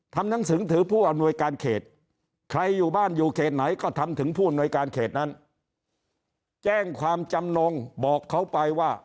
ถึงผู้หน่วยการเขตนั้นแจ้งความจำนงบอกเขาไปว่า